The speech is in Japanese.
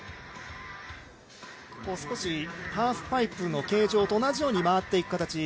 少しハーフパイプの形状と同じように回っていく形。